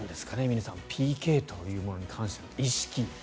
皆さんＰＫというものに関しての意識。